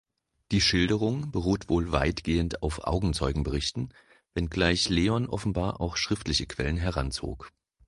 Die Schilderung beruht wohl weitgehend auf Augenzeugenberichten, wenngleich Leon offenbar auch schriftliche Quellen heranzog.